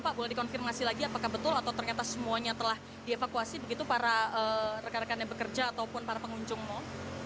pak boleh dikonfirmasi lagi apakah betul atau ternyata semuanya telah dievakuasi begitu para rekan rekan yang bekerja ataupun para pengunjung mal